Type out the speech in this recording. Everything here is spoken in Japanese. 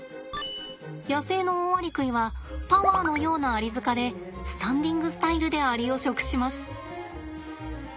野生のオオアリクイはタワーのような蟻塚でスタンディングスタイルでアリを食します。